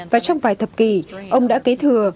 và trong vài thập kỷ ông đã kế thừa